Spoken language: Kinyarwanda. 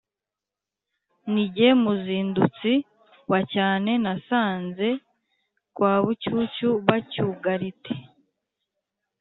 Ni jye muzindutsi wa cyane nasanze kwa Bucyucyu bacyugarite